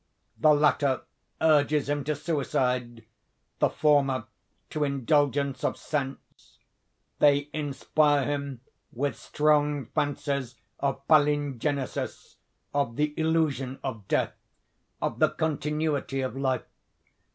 The latter urges him to suicide, the former to indulgence of sense. They inspire him with strong fancies of palingenesis, of the illusion of death, of the continuity of life.